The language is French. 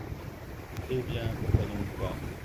Eh bien, pourquoi donc pas ?